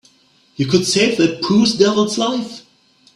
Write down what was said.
You could save that poor devil's life.